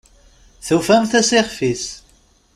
Tufamt-as ixf-is?